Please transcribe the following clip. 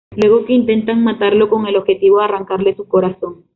Luego que intenta matarlo, con el objetivo de arrancarle su corazón.